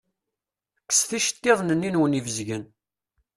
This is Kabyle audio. Kkset iceṭṭiḍen-nni-nwen ibezgen.